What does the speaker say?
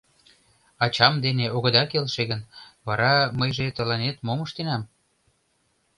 Ачам дене огыда келше гын, вара мыйже тыланет мом ыштенам?